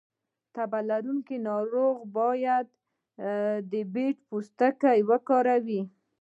د تبه لرونکي ناروغ لپاره د بید پوستکی وکاروئ